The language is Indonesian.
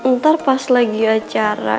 ntar pas lagi acara